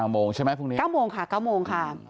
๙โมงใช่ไหมพรุ่งนี้